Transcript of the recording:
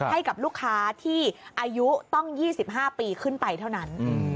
ให้กับลูกค้าที่อายุต้อง๒๕ปีขึ้นไปเท่านั้น